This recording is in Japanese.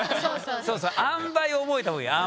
そうそうあんばい覚えた方がいいよ。